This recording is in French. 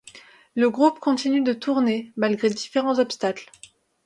Le groupe continue de tourner malgré différents obstacles.